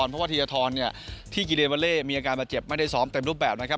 เพราะว่าทีลธรนด์เนี่ยที่กิเลเวอร์เล่มีอาการมาเจ็บไม่ได้สอบเต็มรูปแบบนะครับ